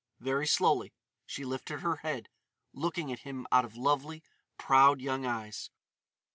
Very slowly she lifted her head, looking at him out of lovely, proud young eyes.